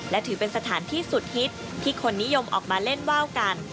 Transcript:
และถือเป็นสถานที่สุดฮิตที่คนนิยมออกมาเล่นว่าวกัน